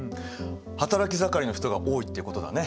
働き盛りの人が多いってことだね。